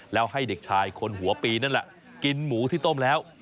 แล้วให้เด็กชายคนหัวปีนั่นแหละกินหมูที่ต้มแล้ว